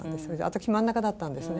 私真ん中だったんですね。